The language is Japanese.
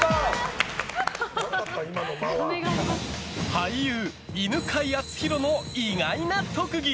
俳優・犬飼貴丈の意外な特技。